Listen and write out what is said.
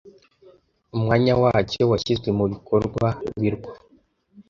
Umwanya wacyo washyizwe mubikorwa, birwa.